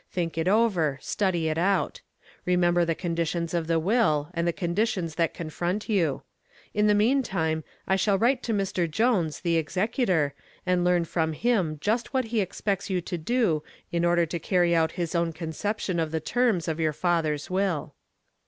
Think it over, study it out. Remember the conditions of the will and the conditions that confront you. In the meantime, I shall write to Mr. Jones, the executor, and learn from him just what he expects you to do in order to carry out his own conception of the terms of your uncle's will."